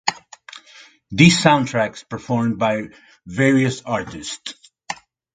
These soundtracks performed by various artists.